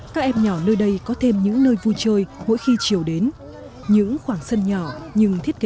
các em nhỏ nơi đây có thêm những nơi vui chơi mỗi khi chiều đến